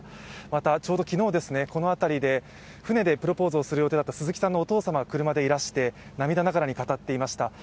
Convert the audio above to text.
またちょうど昨日、この辺りで船でプロポーズをする予定だった鈴木さんのお父様が車でいらして涙ながらに語っていました。